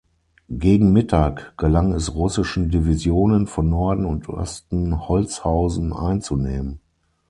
Gegen Mittag gelang es russischen Divisionen von Norden und Osten Holzhausen einzunehmen.